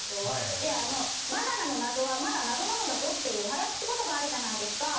で、あのバナナの謎はまだ謎なのだぞっていう早口言葉あるじゃないですか。